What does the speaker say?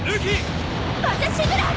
またシブラーが！